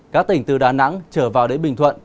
các tỉnh từ đà nẵng trở vào đến bình thuận